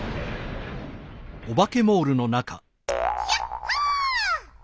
ひゃっほ！